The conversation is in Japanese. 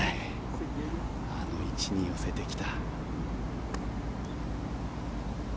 あの位置に寄せてきた。